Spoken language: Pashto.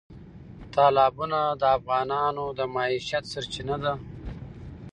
تالابونه د افغانانو د معیشت سرچینه ده.